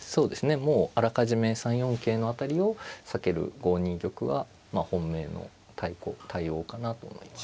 もうあらかじめ３四桂の辺りを避ける５二玉は本命の対応かなと思います。